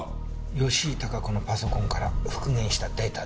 吉井孝子のパソコンから復元したデータです。